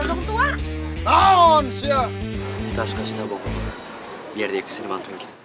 kita harus kasih tahu pak biar dia kesini bantuin kita